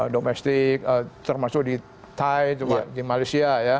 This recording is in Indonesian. domestik termasuk di thai juga di malaysia ya